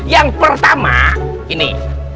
yang pertama ini